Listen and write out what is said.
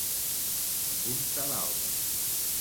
A punta d'alba.